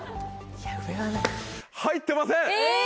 入ってません！